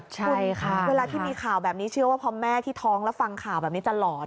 คุณคะเวลาที่มีข่าวแบบนี้เชื่อว่าพอแม่ที่ท้องแล้วฟังข่าวแบบนี้จะหลอน